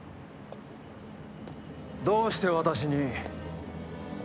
どうして私に？